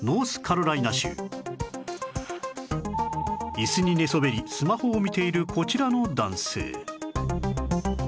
椅子に寝そべりスマホを見ているこちらの男性